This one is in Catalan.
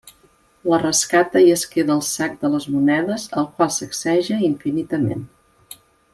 La rescata i es queda el sac de les monedes, el qual sacseja infinitament.